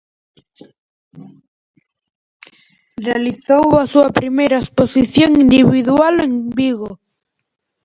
Realizou a súa primeira exposición individual en Vigo.